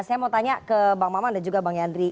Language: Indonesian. saya mau tanya ke bang maman dan juga bang yandri